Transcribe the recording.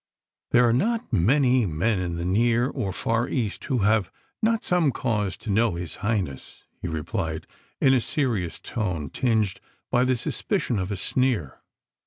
"There are not many men in the Near or Far East who have not some cause to know His Highness," he replied in a serious tone, tinged by the suspicion of a sneer.